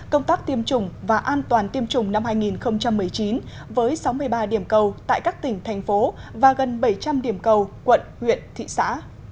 công tác tiêm chủng và an toàn tiêm chủng năm hai nghìn một mươi chín với sáu mươi ba điểm cầu tại các tỉnh thành phố và gần bảy trăm linh điểm cầu quận huyện thị xã